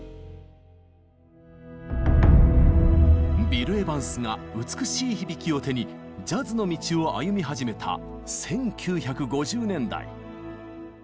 ビル・エヴァンスが「美しい響き」を手にジャズの道を歩み始めた１９５０年代。